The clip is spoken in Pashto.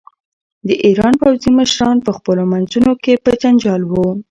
د ایران پوځي مشران په خپلو منځونو کې په جنجال وو.